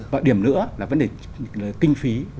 và điểm nữa là vấn đề kinh phí